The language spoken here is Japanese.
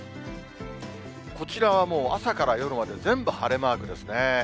こちらはもう朝から夜まで全部晴れマークですね。